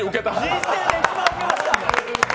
人生で一番ウケました！